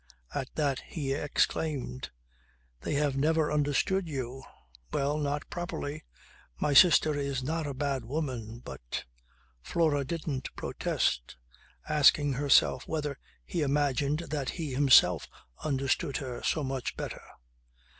At that he exclaimed: "They have never understood you. Well, not properly. My sister is not a bad woman, but ..." Flora didn't protest; asking herself whether he imagined that he himself understood her so much better.